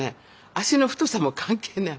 脚の太さも関係ない。